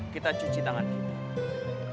kita cuci tangan kita